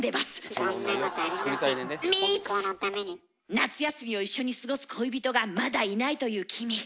夏休みを一緒に過ごす恋人がまだいないという君。